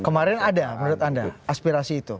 kemarin ada menurut anda aspirasi itu